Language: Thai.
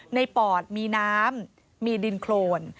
ปอดมีน้ำมีดินโครน